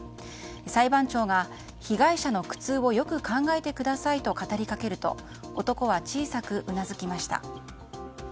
裁判長が、被害者の苦痛をよく考えてくださいと語りかけると男は小さくうなずきました。